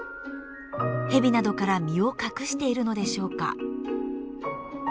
ヘビなどから身を隠しているのでしょうか。